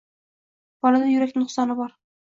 Bolada yurak nuqsoni bor